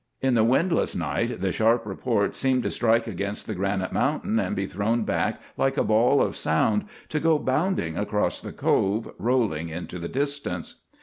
In the windless night the sharp report seemed to strike against the granite mountain and be thrown back like a ball of sound, to go bounding across the Cove, rolling into the distance.